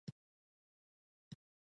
خو باز کاکا د ژوندانه ترخه حقایق.